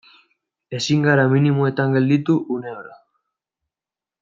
Ezin gara minimoetan gelditu une oro.